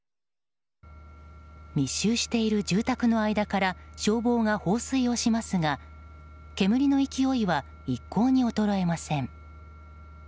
密集している住宅の間から消防が放水をしますが煙の勢いは一向に衰えません。